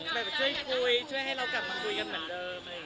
แบบช่วยคุยช่วยให้เรากลับมาคุยกันเหมือนเดิม